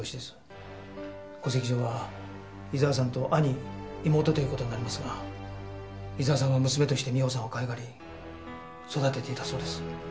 戸籍上は伊沢さんと兄妹という事になりますが伊沢さんは娘として美穂さんをかわいがり育てていたそうです。